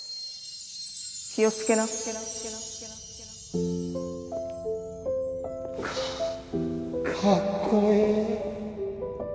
気をつけな。かかっこいい！